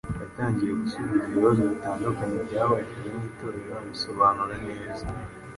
Yatangiye gusubiza ibibazo bitandukanye byabajijwe n’Itorero abisobanura neza,